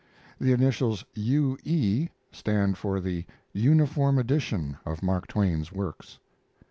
The initials U. E. stand for the "Uniform Edition" of Mark Twain's works.